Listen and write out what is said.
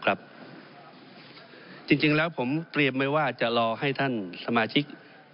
จริงแล้วผมเตรียมไว้ว่าจะรอให้ท่านสมาชิก